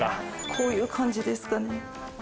こういう感じですかね。